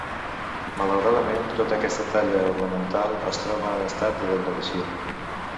Malauradament tota aquesta talla ornamental es troba en estat de degradació.